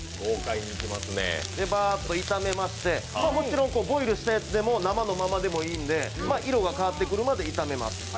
ばーっと炒めましてもちろんボイルしたやつでも生のままでもいいんで色が変わってくるまで炒めます。